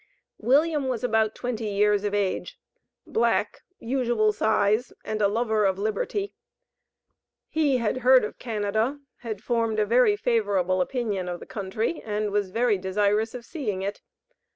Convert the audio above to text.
William was about twenty years of age, black, usual size, and a lover of liberty. He had heard of Canada, had formed a very favorable opinion of the country and was very desirous of seeing it.